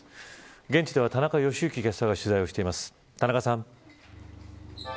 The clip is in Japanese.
現地では田中良幸キャスターが取材をしています。